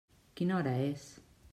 Quina hora és?